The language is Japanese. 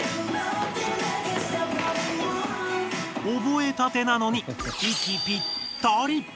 おぼえたてなのにいきぴったり。